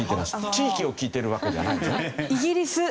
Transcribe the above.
地域を聞いてるわけではないんですね。